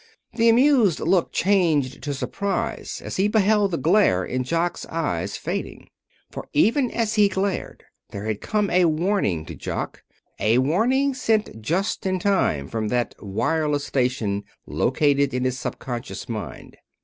The amused look changed to surprise as he beheld the glare in Jock's eyes fading. For even as he glared there had come a warning to Jock a warning sent just in time from that wireless station located in his subconscious mind.